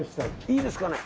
いいですかね。